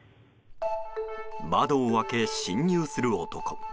窓を開け侵入する男。